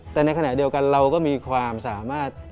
แต่ในขณะเดียวกันเราก็มีความสามารถ